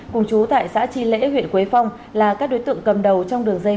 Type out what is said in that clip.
cùng chú tại xã tri lễ huyện quế phong là các đối tượng cầm đầu trong đường dây